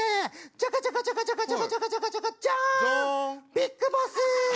ビッグボス！